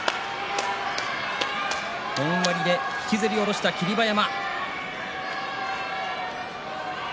本割で引きずり下ろした霧馬山。